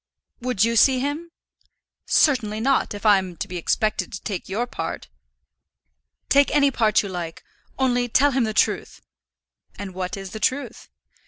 "Would you see him?" "Certainly not, if I am to be expected to take your part." "Take any part you like, only tell him the truth." "And what is the truth?"